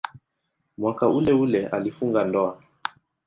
Mwaka uleule alifunga ndoa.